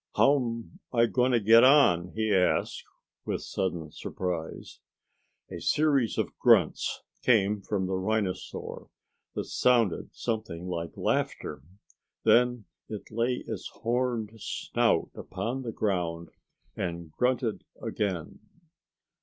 "How'm I going to get on?" he asked, with sudden surprise. A series of grunts came from the rhinosaur, that sounded something like laughter. Then it lay its horned snout upon the ground, and grunted again.